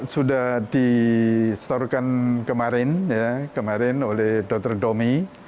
sudah disetorkan kemarin oleh dr domi